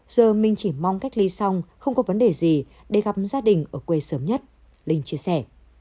giờ minh chỉ mong cách ly xong không có vấn đề gì để gặp gia đình ở quê sớm nhất linh chia sẻ